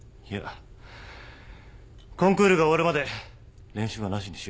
コンクールが終わるまで練習はなしにしよう。